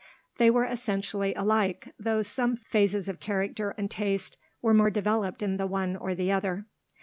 They were essentially alike, though some phases of character and taste were more developed in the one or the other.